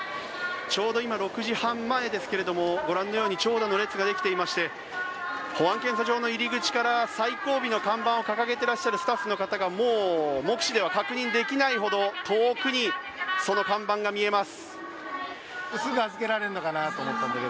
ちょうど今、６時半前ですがご覧のように長蛇の列ができていまして保安検査場の入り口から最後尾の看板を掲げているスタッフの方がもう目視では確認できないほど遠くにその看板が見えます。